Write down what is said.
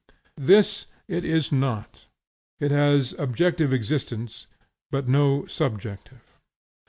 This it is not; it has an objective existence, but no subjective.